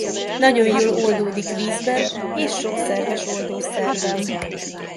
Nagyon jól oldódik vízben és sok szerves oldószerben.